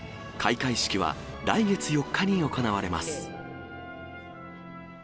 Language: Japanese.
開会式は来月４日に行われます。